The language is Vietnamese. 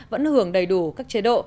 vẫn hưởng đầy đủ các chế độ